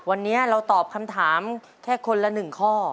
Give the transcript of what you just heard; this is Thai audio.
วันนี้เราตอบคำถามแค่คนละ๑ข้อ